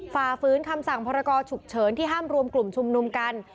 ฝ่าฝืนคำสั่งพรกรฉุกเฉินที่ห้ามรวมกลุ่มชุมนุมกัน